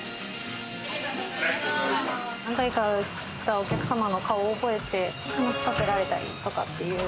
お客様の顔を覚えて話し掛けられたりとかっていう。